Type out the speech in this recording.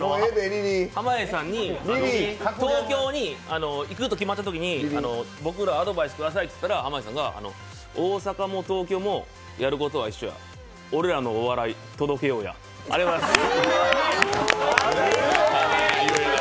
濱家さんに東京に行くと決まったときに僕らアドバイスくださいっていったら、濱家さんは大阪も東京もやることは一緒や俺らのお笑い届けようや、ありがとうございます。